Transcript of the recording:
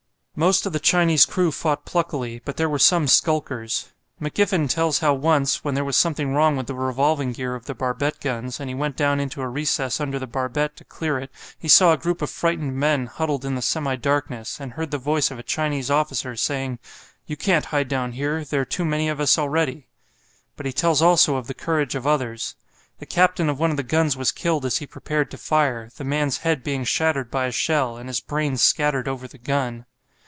Most of the Chinese crew fought pluckily, but there were some skulkers. McGiffen tells how once, when there was something wrong with the revolving gear of the barbette guns, and he went down into a recess under the barbette to clear it, he saw a group of frightened men huddled in the semi darkness, and heard the voice of a Chinese officer saying: "You can't hide down here. There are too many of us already." But he tells also of the courage of others. The captain of one of the guns was killed as he prepared to fire, the man's head being shattered by a shell, and his brains scattered over the gun.